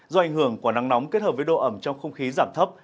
do ảnh hưởng của nắng nóng kết hợp với độ ẩm trong không khí giảm thấp